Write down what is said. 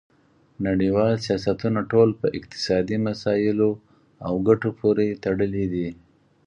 نړیوال سیاستونه ټول په اقتصادي مسایلو او ګټو پورې تړلي دي